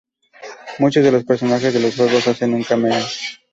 Muchos de los personajes de los juegos hacen un cameo.